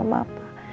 itu mama apa